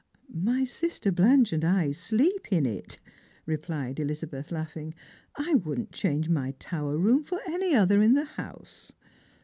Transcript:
"My sister Blanche and I sleep in it," replied Elizabeth, laughing :" I wouldn't change my tower room for any other iu the house."